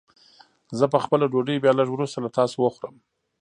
زه به خپله ډوډۍ بيا لږ وروسته له تاسو وخورم.